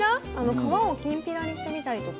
皮をきんぴらにしてみたりとか。